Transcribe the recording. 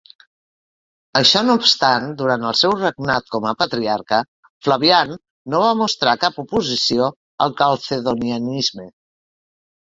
Això no obstant, durant el seu regnat com a patriarca, Flavian no va mostrar cap oposició al calcedonianisme.